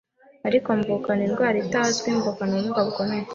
ariko mvukana indwara itazwi, mvukana ubumuga bukomeye